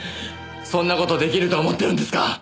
そんな事出来ると思ってるんですか！